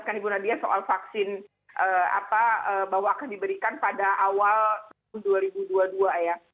kan ibu nadia soal vaksin bahwa akan diberikan pada awal dua ribu dua puluh dua ya